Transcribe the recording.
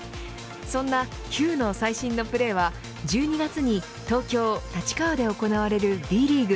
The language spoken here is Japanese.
そんなＣＵＥの最新のプレーは１２月に東京、立川で行われるＢリーグ